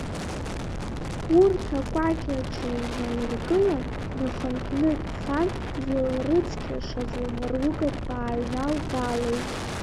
Урҭ акәакьаҿы иналыргылан, днахынҳәны дцан излалрыцқьашаз лмыругақәа ааҩналгалеит.